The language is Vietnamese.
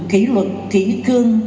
kỷ luật thủy cương